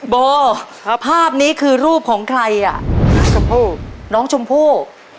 โบ้ครับภาพนี้คือรูปของใครอะน้องชมพู่น้องชมพู่